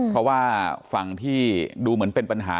เพราะว่าฝั่งที่ดูเหมือนเป็นปัญหา